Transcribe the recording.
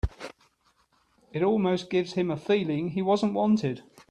It almost gives him a feeling he wasn't wanted.